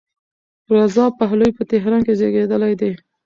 رضا پهلوي په تهران کې زېږېدلی دی.